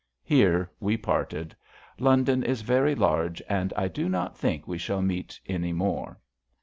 Here we parted. London is very large, and I do not think we shall meet any more.